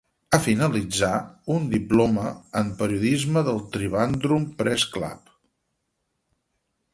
Ha finalitzar un diploma en periodisme del Trivandrum Press Club.